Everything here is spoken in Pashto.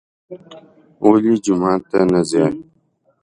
ولې جومات ته نه ځي.